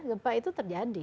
gempa itu terjadi